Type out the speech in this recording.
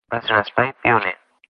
Va ser un espai pioner.